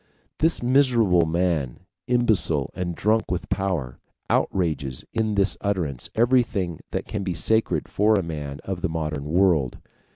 This miserable man, imbecile and drunk with power, outrages in this utterance everything that can be sacred for a man of the modern world.